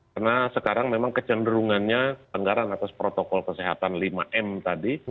karena sekarang memang kecenderungannya tangerang atas protokol kesehatan lima m tadi